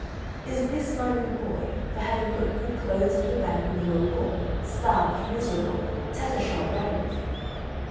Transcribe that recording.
Is this my reward for having put good clothes on your back when you were a poor, starved, miserable, tatter shod ragamuffin?